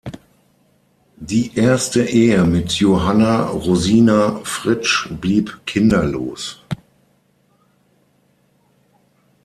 Die erste Ehe mit Johanna Rosina Fritsch blieb kinderlos.